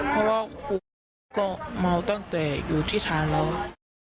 เพราะว่าครูเขาก็เมาตั้งแต่อยู่ที่ทางเรา